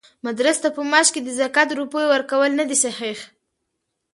مدرس ته په معاش کې د زکات د روپيو ورکول ندی صحيح؛